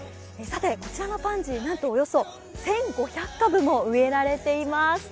さてこちらのパンジー、なんと１５００株も植えられています。